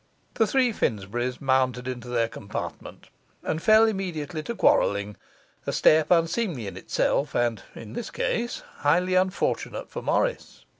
The three Finsburys mounted into their compartment, and fell immediately to quarrelling, a step unseemly in itself and (in this case) highly unfortunate for Morris.